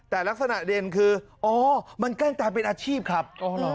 แต่ลักษณะเด่นคืออ๋อมันแกล้งตายเป็นอาชีพครับ